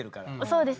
そうです。